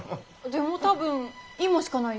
でも多分芋しかないよ。